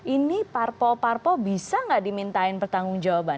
ini parpo parpo bisa nggak dimintain pertanggung jawaban